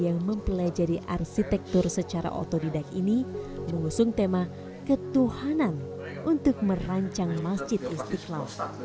yang mempelajari arsitektur secara otodidak ini mengusung tema ketuhanan untuk merancang masjid istiqlal